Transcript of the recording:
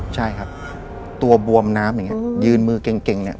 ใช่ครับตัวบวมน้ำอย่างเงี้ยอืมยืนมือเกร็งเกร็งเนี้ย